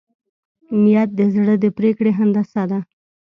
نیت د زړه د پرېکړې هندسه ده.